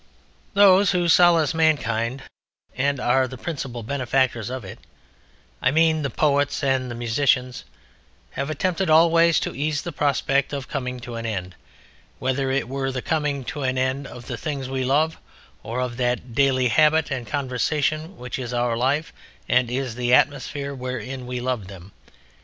Those who solace mankind and are the principal benefactors of it, I mean the poets and the musicians, have attempted always to ease the prospect of Coming to an End, whether it were the Coming to an End of the things we love or of that daily habit and conversation which is our life and is the atmosphere wherein we loved them.